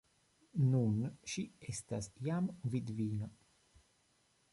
Nun ŝi estas jam vidvino!